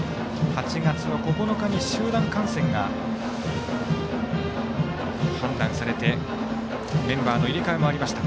８月９日に集団感染が判断されてメンバーの入れ替えもありました。